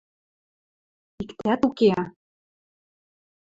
— Иктӓт уке...